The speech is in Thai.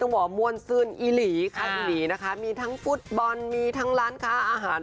บอกว่ามวลซื่นอีหลีค่ะอีหลีนะคะมีทั้งฟุตบอลมีทั้งร้านค้าอาหาร